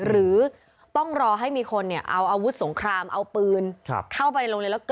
หรือต้องรอให้มีคนเอาอาวุธสงครามเอาปืนเข้าไปในโรงเรียนแล้วเกิด